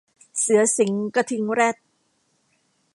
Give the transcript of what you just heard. เสือสิงห์กระทิงแรด